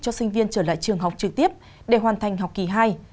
cho sinh viên trở lại trường học trực tiếp để hoàn thành học kỳ hai